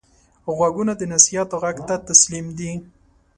غوږونه د نصیحت غږ ته تسلیم دي